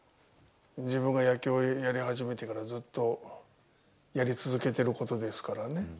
自分が野球をやり始めてからずっとやり続けていることですからね。